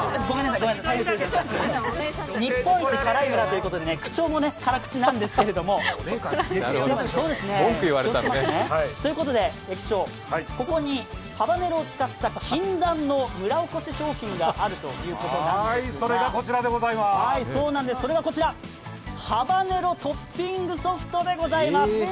日本一辛い村ということでね、口調も辛口なんですけれども駅長、ここにハバネロを使った禁断の村おこし商品があるということなんですが、それがこちらハバネロトッピングソフトでございます。